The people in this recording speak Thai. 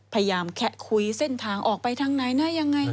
แคะคุยเส้นทางออกไปทางไหนนะยังไง